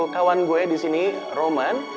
kawan gue disini roman